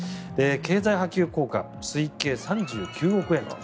経済波及効果、推計３９億円と。